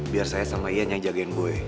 biar saya sama ian yang jagain boy